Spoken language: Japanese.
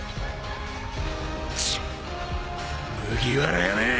チッ麦わら屋め！